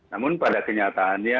namun pada kenyataannya terlalu banyak